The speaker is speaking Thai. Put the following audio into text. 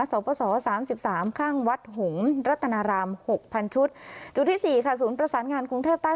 สปส๓๓ข้างวัดหงษ์รัตนาราม๖๐๐๐ชุดจุดที่สี่ค่ะศูนย์ประสานงานกรุงเทพใต้